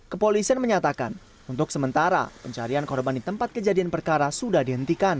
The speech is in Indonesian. kepolisian menyatakan untuk sementara pencarian korban di tempat kejadian perkara sudah dihentikan